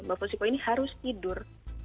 mbak fusiko ini harus tidur